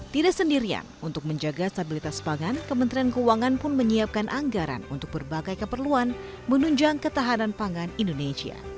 tidak sendirian untuk menjaga stabilitas pangan kementerian keuangan pun menyiapkan anggaran untuk berbagai keperluan menunjang ketahanan pangan indonesia